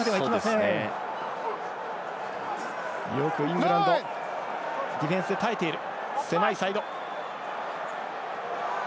よくイングランドディフェンス耐えている。